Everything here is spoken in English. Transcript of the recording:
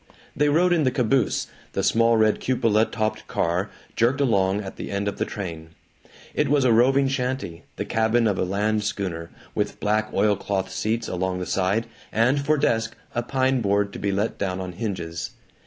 They rode in the caboose, the small red cupola topped car jerked along at the end of the train. It was a roving shanty, the cabin of a land schooner, with black oilcloth seats along the side, and for desk, a pine board to be let down on hinges.